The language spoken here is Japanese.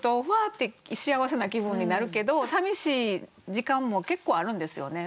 って幸せな気分になるけどさみしい時間も結構あるんですよね。